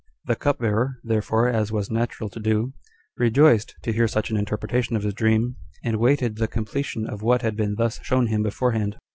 The cupbearer, therefore, as was natural to do, rejoiced to hear such an interpretation of his dream, and waited the completion of what had been thus shown him beforehand.